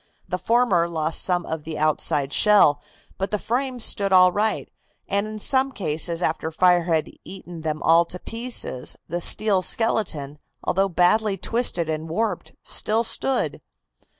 The former lost some of the outside shell, but the frame stood all right, and in some cases after fire had eaten them all to pieces, the steel skeleton, although badly twisted and warped, still stood.